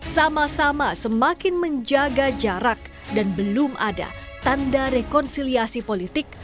sama sama semakin menjaga jarak dan belum ada tanda rekonsiliasi politik